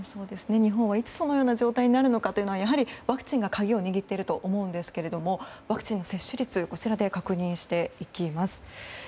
日本はいつそのような状態になるのかというのはやはりワクチンが鍵を握っていると思うんですけどワクチン接種率を確認していきます。